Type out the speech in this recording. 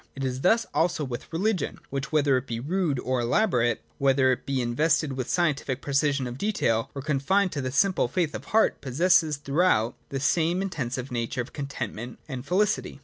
It is thus also with religion, which, whether it be rude or elaborate, whether it be invested with scientific precision of detail or confined to the simple faith of the heart, possesses, throughout, the same intensive nature of contentment and felicity.